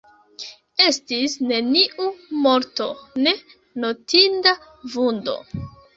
Estis neniu morto, ne notinda vundo.